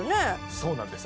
そうなんです